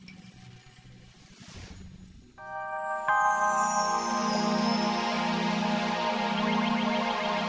operasinya selesai tapi dipilkirgangen